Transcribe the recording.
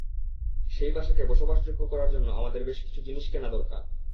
সেই বাসাকে বসবাসযোগ্য করার জন্য আমাদের বেশ কিছু জিনিস কেনা দরকার।